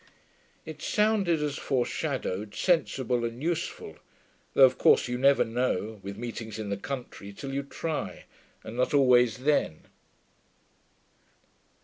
It sounded, as foreshadowed, sensible and useful, though of course you never know, with meetings in the country, till you try, and not always then.